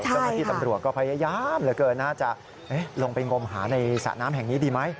เจ้าหน้าที่ตำรวจก็พยายามเหลือเกินนะจะลงไปงมหาในสระน้ำแห่งนี้ดีไหม